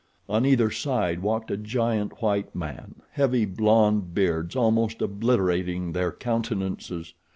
On either side walked a giant white man, heavy blonde beards almost obliterating their countenances.